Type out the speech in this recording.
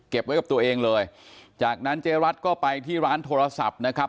ไว้กับตัวเองเลยจากนั้นเจ๊รัฐก็ไปที่ร้านโทรศัพท์นะครับ